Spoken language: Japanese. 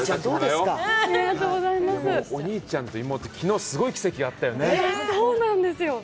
もうお兄ちゃんと妹、昨日、すごい奇跡があったよね。